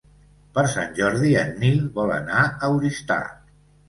Per Sant Jordi en Nil vol anar a Oristà.